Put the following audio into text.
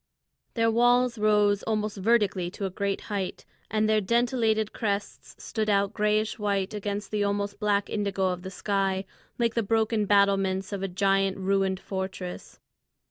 The walls rose almost vertically to a great height, and their dentelated crests stood out grayish white against the almost black indigo of the sky, like the broken battlements of a giant ruined fortress.